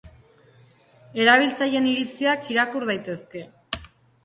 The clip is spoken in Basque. Erabiltzaileen iritziak irakur daitezke.